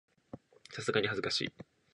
さすがに恥ずかしい